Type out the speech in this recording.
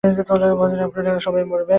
বাইরে আপনারা সবাই মরবেন, সবাই!